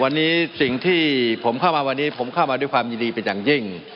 วันนี้สิ่งที่ผมเข้ามาวันนี้ผมเข้ามาด้วยความยินดีเป็นอย่างยิ่ง